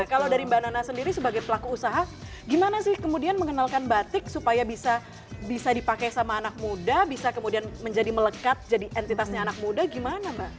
kalau dari mbak nana sendiri sebagai pelaku usaha gimana sih kemudian mengenalkan batik supaya bisa dipakai sama anak muda bisa kemudian menjadi melekat jadi entitasnya anak muda gimana mbak